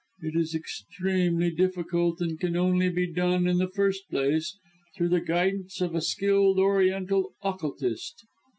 It is extremely difficult and can only be done, in the first place, through the guidance of a skilled Oriental occultist."